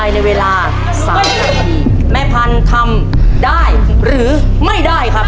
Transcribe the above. ใครในเวลาสั่งแม่พันธรรมได้หรือไม่ได้ครับ